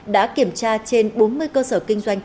đã kiểm tra trên bốn mươi cơ sở kinh doanh